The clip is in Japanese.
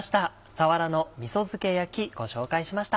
さわらのみそ漬け焼きご紹介しました。